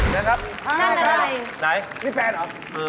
นี่ครับนั่นอะไรไหนนี่แฟนหรือ